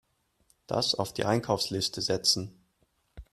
Das auf die Einkaufsliste setzen.